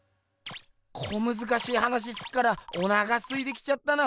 小むずかしい話すっからおなかすいきちゃったな。